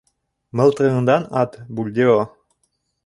— Мылтығыңдан ат, Бульдео!